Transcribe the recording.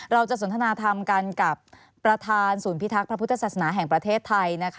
เราจะสนทนาทำกันกับประทานศูนย์พิทักษ์พระพุทธศาสนาแห่งประเทศไทย